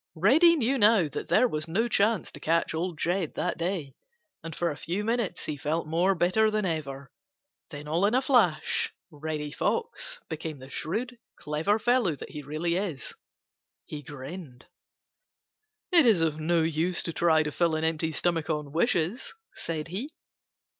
Reddy knew now that there was no chance to catch Old Jed that day, and for a few minutes he felt more bitter than ever. Then all in a flash Reddy Fox became the shrewd, clever fellow that he really is. he grinned. "It's of no use to try to fill an empty stomach on wishes," said he.